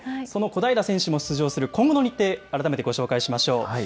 その小平選手も出場する今後の日程、改めてご紹介しましょう。